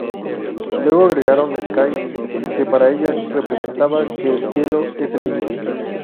Luego agregaron "Sky", que para ellas representaba que "el cielo es el límite".